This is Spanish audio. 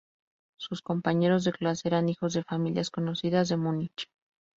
Sus compañeros de clase eran hijos de familias conocidas de Múnich.